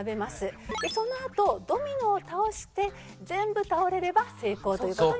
でそのあとドミノを倒して全部倒れれば成功という事になります。